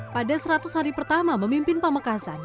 pada seratus hari pertama memimpin pamekasan